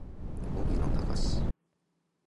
荻野貴司